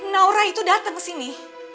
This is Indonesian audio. naura itu datang ke sini